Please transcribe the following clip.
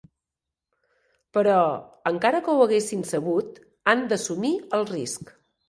Però, encara que ho haguessin sabut, han d'assumir el risc.